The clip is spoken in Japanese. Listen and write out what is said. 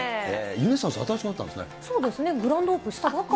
ユネッサン、新しくなったんそうですね、グランドオープンしたばかり。